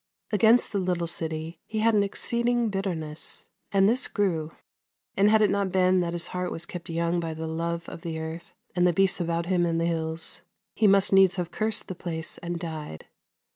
Against the Httle city he had an exceeding bitterness ; and this grew, and had it not been that his heart was kept young by the love of the earth, and the beasts about him in the hills, he "must needs have cursed the place and died.